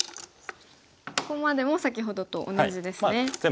ここまでも先ほどと同じですね。